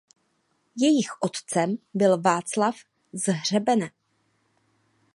Jejich otcem byl Václav z Hřebene.